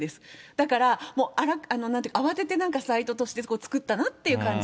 だから、慌ててサイトとして作ったなっていう感じ。